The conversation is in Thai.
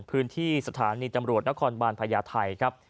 พื้นที่สถานีตำรวจนครบาลพญาไทยครับ